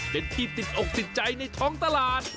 เป็นที่ติดอกติดใจในท้องตลาด